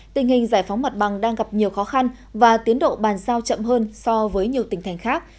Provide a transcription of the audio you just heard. tình hình giải phóng mặt bằng đang gặp nhiều khó khăn và tiến độ bàn giao chậm hơn so với nhiều tỉnh thành khác